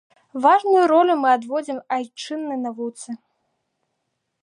Важную ролю мы адводзім айчыннай навуцы.